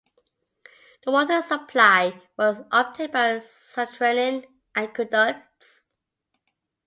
The water supply was obtained by subterranean aqueducts.